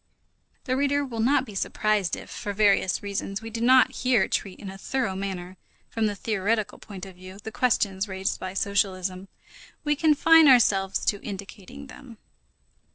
The reader will not be surprised if, for various reasons, we do not here treat in a thorough manner, from the theoretical point of view, the questions raised by socialism. We confine ourselves to indicating them.